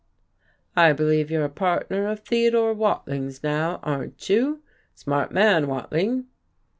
"I believe you're a partner of Theodore Watling's now aren't you? Smart man, Watling."